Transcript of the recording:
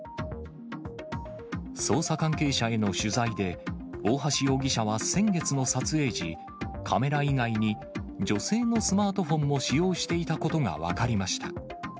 捜査関係者への取材で、大橋容疑者は先月の撮影時、カメラ以外に女性のスマートフォンも使用していたことが分かりました。